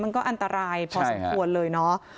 มันก็อันตรายพอสมควรเลยเนาะ